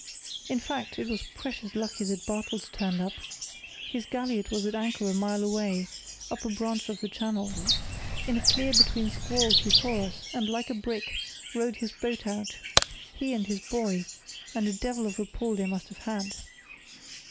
"In fact, it was precious lucky that Bartels turned up. His galliot was at anchor a mile away, up a branch of the channel. In a clear between squalls he saw us, and, like a brick, rowed his boat out—he and his boy, and a devil of a pull they must have had.